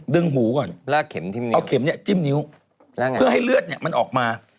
ดึงหูก่อนเอาเข็มนี่จิ้มนิ้วเพื่อให้เลือดมันออกมา